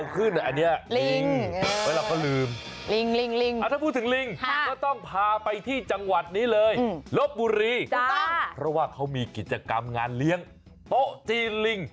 คุณนางทำท่าของลิงสิ